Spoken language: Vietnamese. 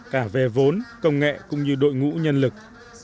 cả về vốn công nghệ cũng như đội ngũ nhân lực